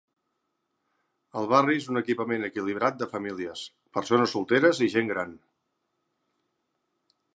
El barri és un equipament equilibrat de famílies, persones solteres i gent gran.